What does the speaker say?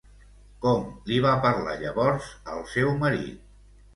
Com li va parlar llavors al seu marit?